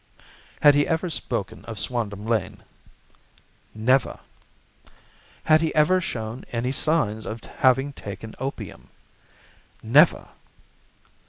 "Had he ever spoken of Swandam Lane?" "Never." "Had he ever showed any signs of having taken opium?" "Never."